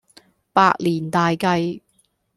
百年大計